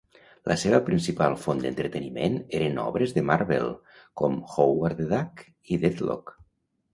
La seva principal font d'entreteniment eren obres de Marvel com "Howard the Duck" i "Deathlok".